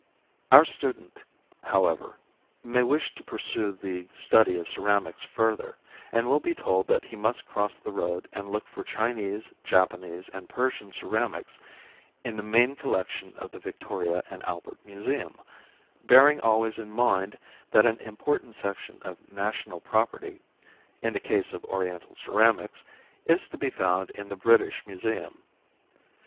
Our student, however, may wish to pursue the study of ceramics further, and will be told that he must cross the road and look for Chinese, Japanese and Persian ceramics in the main collection of the Victoria and Albert Museum, bearing always in mind that an important section of national property, in the case of Oriental ceramics, is to be found in the British Museum.